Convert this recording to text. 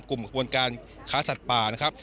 กลุ่มการขาสัตว์ป่านะครับ